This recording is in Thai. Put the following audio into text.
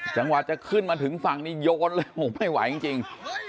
จังหวะจะขึ้นมาถึงฝั่งนี้โยนเลยโอ้โหไม่ไหวจริง